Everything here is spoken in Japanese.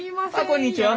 こんにちは